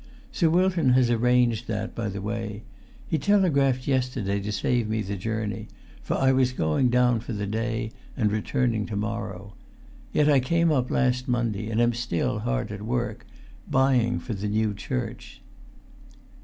Sir Wilton has arranged that, by the way. He telegraphed yesterday to save me the journey; for I was going down for the day, and returning to morrow. Yet I came up last Monday, and am still hard at work—buying for the new church."